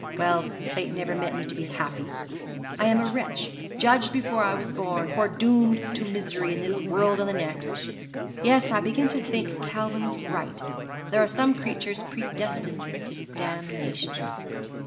Well, fate never meant me to be happy. I am a wretch, judged before I was born, foredoomed to misery in this world and the next. Yes, I begin to think Calvin was right there are some creatures predestined to damnation.